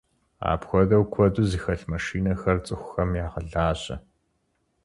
Апхуэдэу куэду зэхэлъ машинэхэр цӀыхухэм ягъэлажьэ.